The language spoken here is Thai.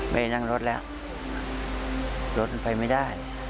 ไม่ได้นั่งรถแล้วรถไปไม่ได้